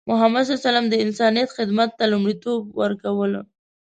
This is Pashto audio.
محمد صلى الله عليه وسلم د انسانیت خدمت ته لومړیتوب ورکوله.